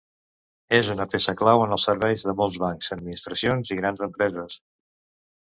És una peça clau en els serveis de molts bancs, administracions i grans empreses.